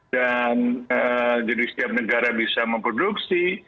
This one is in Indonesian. dan jadi setiap negara bisa memproduksi